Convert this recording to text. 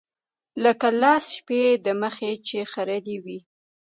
لکه لس شپې د مخه چې يې خرييلي وي.